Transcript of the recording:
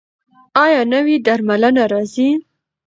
ایا نوې درملنه راځي؟